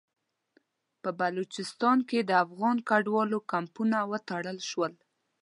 په بلوچستان کې د افغان کډوالو کمپونه وتړل شول.